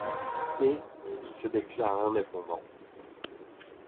Et, il se déclare indépendant.